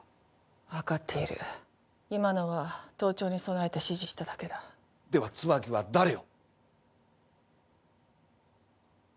分かっている今のは盗聴に備えて指示しただけだでは椿は誰を？